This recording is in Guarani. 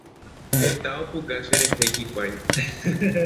Heta opuka cherehe hikuái.